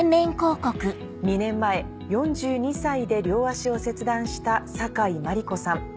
２年前４２歳で両脚を切断した酒井真理子さん。